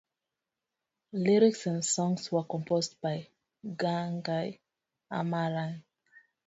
Lyrics and songs were composed by Gangai Amaran.